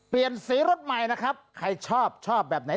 เปลี่ยนสีรถใหม่นะครับใครชอบชอบแบบไหน